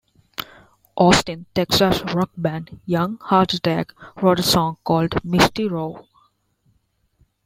Austin, Texas rock band Young Heart Attack wrote a song called "Misty Rowe".